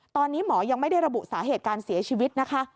ตอนนี้หมอยังไม่ได้ระบุสาเหตุการเสียชีวิตนะคะ